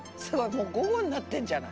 もうごごになってんじゃない。